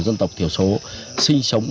dân tộc thiểu số sinh sống